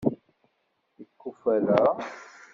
Yekuferra?